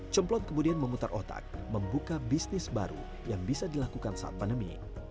cemplon kemudian memutar otak membuka bisnis baru yang bisa dilakukan saat pandemi